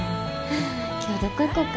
今日どこ行こっか？